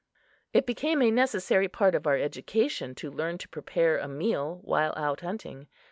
It became a necessary part of our education to learn to prepare a meal while out hunting.